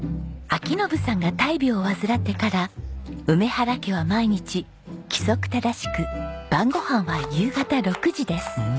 章伸さんが大病を患ってから梅原家は毎日規則正しく晩ごはんは夕方６時です。